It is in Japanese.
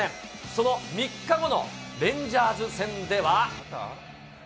その３日後のレンジャーズ戦では。